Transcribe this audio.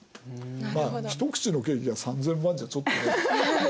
まあ一口のケーキが３，０００万じゃちょっとね。